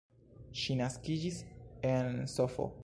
Ŝi naskiĝis en Sf.